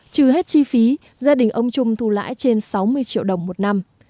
trừ hết chi phí gia đình ông trung thu lãi trên sáu mươi triệu đồng một năm